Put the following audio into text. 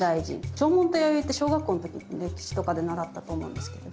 縄文と弥生って小学校の時に歴史とかで習ったと思うんですけれど。